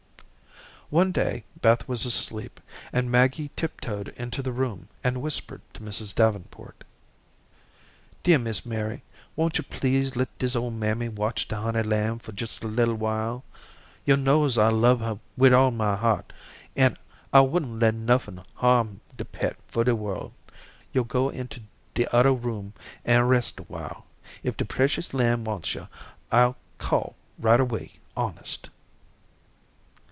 One day Beth was asleep, and Maggie tip toed into the room and whispered to Mrs. Davenport: "Dear Miss Mary, won't yo' please let dis ole mammy watch de honey lamb for jes' a little while. Yo' knows I lub her wid all my heart, an' I wouldn't let nuffin harm de pet for de world. Yo' go into de odder room an' rest awhile. If de precious lamb wants yo', I'll call right away, honest."